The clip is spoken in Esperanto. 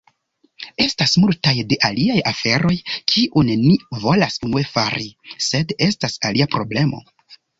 Estas multaj de aliaj aferoj kiun ni volas unue fari, sed estas alia problemo.